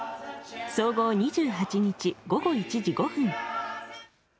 総合２８日、午後１時５分。